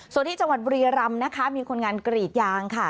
ส่วนที่จังหวัดบุรียรำนะคะมีคนงานกรีดยางค่ะ